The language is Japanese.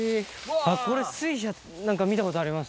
あっ、これ水車、なんか見たことあります。